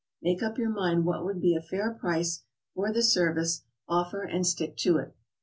Make up your mind what would be a fair price for the service, offer, and stick to it.